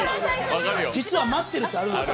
実は待ってるってあるんですよ。